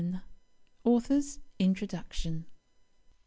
R. W. P. AUTHOR'S INTRODUCTION.